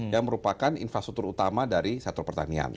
yang merupakan infrastruktur utama dari sektor pertanian